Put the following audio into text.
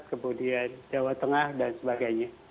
kemudian jawa tengah dan sebagainya